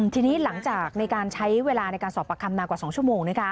ทีนี้หลังจากในการใช้เวลาในการสอบประคำนานกว่า๒ชั่วโมง